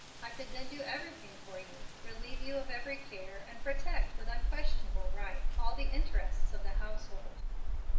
I could then do everything for you, relieve you of every care, and protect with unquestionable right all the interests of the household.